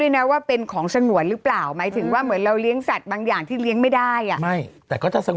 นางใส่เม็ดละ๗๐ล้านนะเธอ